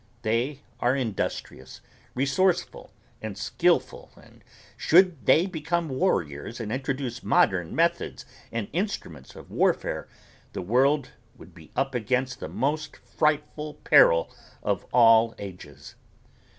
They are industrious, resourceful and skillful and should they become warriors and introduce modern methods and instruments of warfare the world would be up against the most frightful peril of all ages.